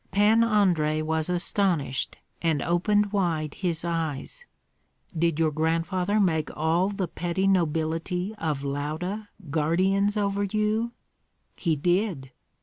Pan Andrei was astonished and opened wide his eyes, "Did your grandfather make all the petty nobility of Lauda guardians over you?" "He did.